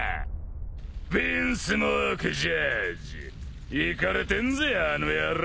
ヴィンスモーク・ジャッジいかれてんぜあの野郎。